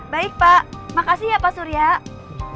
baik pak makasih ya pak surya